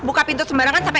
buka pintu sembarangan sampe